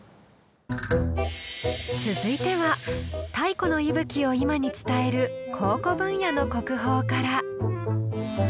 続いては太古の息吹を今に伝える「考古」分野の国宝から。